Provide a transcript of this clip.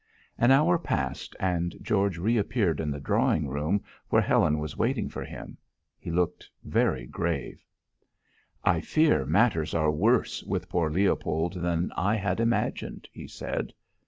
An hour passed, and George reappeared in the drawing room, where Helen was waiting for him. He looked very grave. "I fear matters are worse with poor Leopold than I had imagined," he said.